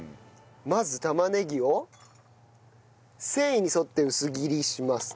まず玉ねぎを繊維に沿って薄切りします。